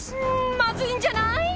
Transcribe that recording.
マズいんじゃない？